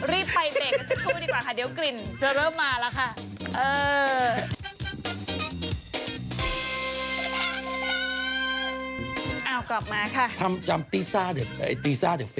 รีบไปเบรกกันสักครู่ดีกว่าค่ะเดี๋ยวกลิ่นจะเริ่มมาแล้วค่ะ